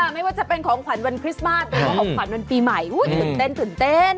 ไม่ว่าจะเป็นของขวัญวันคริสต์มาสหรือว่าของขวัญวันปีใหม่ตื่นเต้นตื่นเต้น